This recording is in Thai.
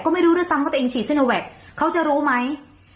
ก็ไม่รู้เลยซ้ำว่าตัวเองฉีดเส้นเอาแหวะเขาจะรู้ไหม